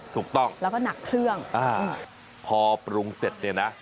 ถูกต้องแล้วก็หนักเครื่องอ่าพอปรุงเสร็จเนี่ยนะ